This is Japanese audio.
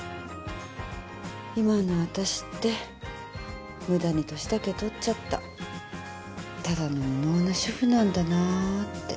今の私って無駄に年だけ取っちゃったただの無能な主婦なんだなって。